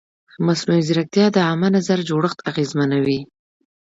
مصنوعي ځیرکتیا د عامه نظر جوړښت اغېزمنوي.